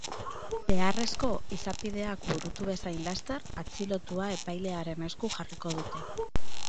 Beharrezko izapideak burutu bezain laster, atxilotua epailearen esku jarriko dute.